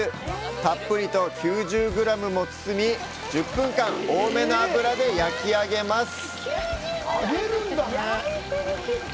たっぷりと９０グラムも包み、１０分間、多めの油で焼き上げます。